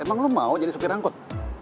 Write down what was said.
emang lo mau jadi sopir angkut